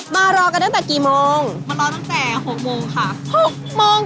มารอกันตั้งแต่กี่โมงมารอตั้งแต่๖โมงค่ะ๖โมง